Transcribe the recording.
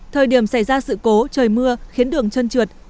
thời điểm xảy ra sự cố trời mưa khiến đường trơn trượt